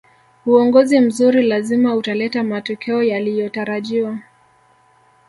uongozi mzuri lazima utaleta matokeo yaliyotarajiwa